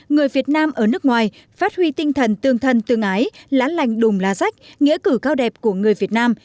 người việt nam ở nước ngoài phát huy tinh thần tương thân tương ái lá lành đùm lá rách nghĩa cử cao đẹp của người việt nam